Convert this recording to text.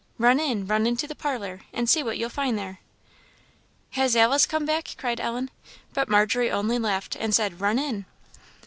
Run in; run into the parlour, and see what you'll find there." "Has Alice come back?" cried Ellen. But Margery only laughed and said "Run in!"